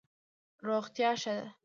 روغتیا ښه ده.